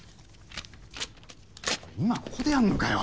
今ここでやんのかよ！？